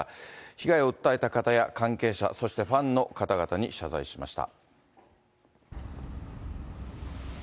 被害を訴えた方や関係者、そしてファンの方々に謝罪しました。